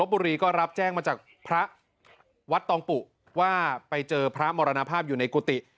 บุรีก็รับแจ้งมาจากพระวัดตองปุว่าไปเจอพระมรณภาพอยู่ในกุฏิ